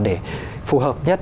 để phù hợp nhất